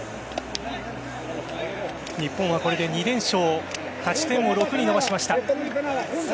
日本はこれで２連勝勝ち点を６に伸ばしました。